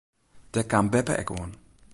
Dêr kaam beppe ek oan.